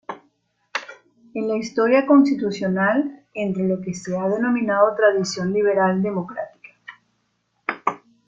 En la historia constitucional entre en lo que se ha denominado tradición liberal democrática.